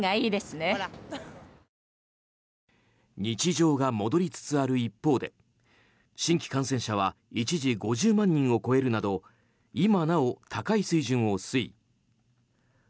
日常が戻りつつある一方で新規感染者は一時５０万人を超えるなど今なお、高い水準を推移。